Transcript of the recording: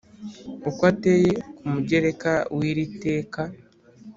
uko ateye ku mugereka w iri teka